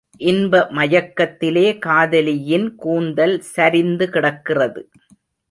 இன்ப மயக்கத்திலே காதலியின் கூந்தல் சரிந்து கிடக்கிறது.